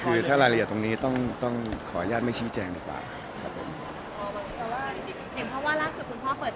คือถ้ารายละเอียดตรงนี้ต้องขออนุญาตไม่ชี้แจงดีกว่าครับผม